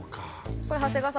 これ長谷川さん